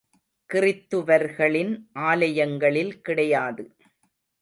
கிறித்துவர்களின் ஆலயங்களில் கிடையாது.